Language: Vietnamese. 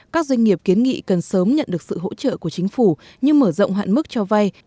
các doanh nghiệp kiến nghị cần sớm nhận được sự hỗ trợ của chính phủ như mở rộng hạn mức cho vay